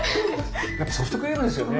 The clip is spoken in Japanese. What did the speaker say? やっぱソフトクリームですよね。